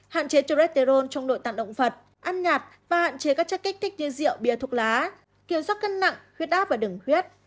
hạn chế trô rét tê rôn trong nội tạng động vật ăn nhạt và hạn chế các chất kích thích như rượu bia thuốc lá kiểm soát cân nặng huyết áp và đường huyết